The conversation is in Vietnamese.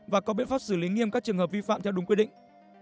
và có biện pháp xử lý nghiêm các trường hợp vi phạm theo đúng quy định